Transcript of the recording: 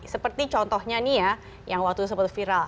seperti contohnya nih ya yang waktu itu sempat viral